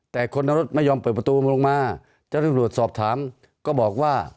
แต่คนในรถไม่ยอมเปิดประตูลงมาเจ้าหน้าที่รวจสอบถามก็บอกว่า